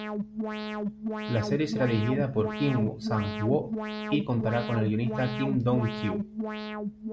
La serie será dirigida por Kim Sang-woo y contará con el guionista Kim Dong-kyu.